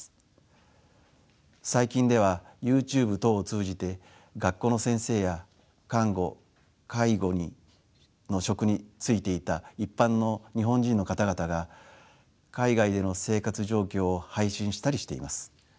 最近ではＹｏｕＴｕｂｅ等を通じて学校の先生や看護介護の職に就いていた一般の日本人の方々が海外での生活状況を配信したりしています。